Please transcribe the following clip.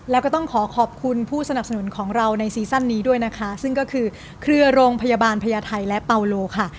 แล้วก็ต้องขอขอบคุณผู้สนับสนุนของเราในซีซั่นนี้ด้วยนะคะซึ่งก็คือเครือโรงพยาบาลพญาไทยและเปาโลค่ะ